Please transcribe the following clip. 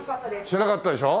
知らなかったでしょ？